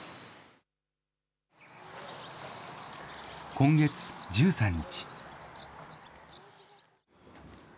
今月１３日。